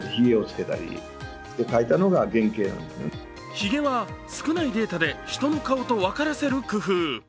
ひげは少ないデータで人の顔と分からせる工夫。